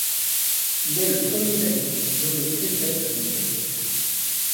Il est le premier laïc nommé préfet d'un dicastère.